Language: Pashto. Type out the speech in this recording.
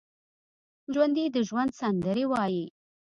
ژوندي د ژوند سندرې وايي